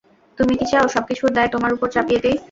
তুমি কি চাও, সবকিছুর দায় তোমার উপয় চাপিয়ে দেই?